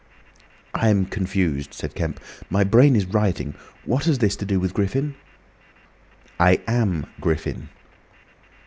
"I am confused," said Kemp. "My brain is rioting. What has this to do with Griffin?" "I am Griffin."